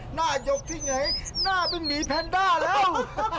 หน้ายกที่ไหนหน้าเป็นหมีแพนด้าแล้ว